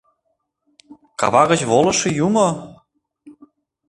Кава гыч волышо юмо?